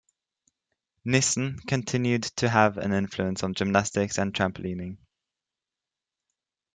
Nissen continued to have an influence on gymnastics and trampolining.